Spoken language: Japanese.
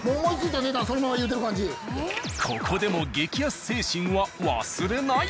ここでも激安精神は忘れない。